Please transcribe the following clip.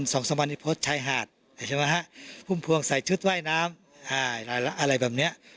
ส่องสมณิพจน์ชายหาดภุ่มพวงใส่ชุดว่ายน้ำอะไรแบบนี้